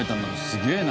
すげえな。